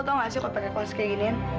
tau gak sih kalau pakai kos kayak giniin